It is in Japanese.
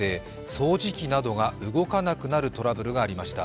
掃除機などが動かなくなるトラブルなどがありました。